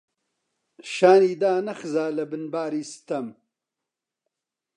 شانی دانەخزا لەبن باری ستەم،